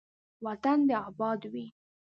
وطن دې اباد وي.